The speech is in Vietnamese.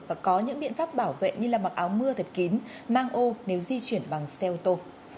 và có những biện pháp bảo vệ như là mặc áo mưa thật kín mang ô nếu di chuyển bằng xe ô tô